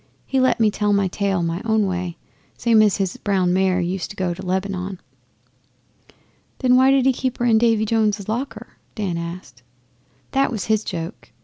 But let me tell my tale my own way, same as his brown mare used to go to Lebanon.' 'Then why did he keep her in Davy Jones's locker?' Dan asked. 'That was his joke.